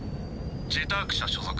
「ジェターク社」所属。